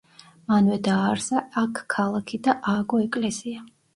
მანვე დააარსა აქ ქალაქი და ააგო ეკლესია.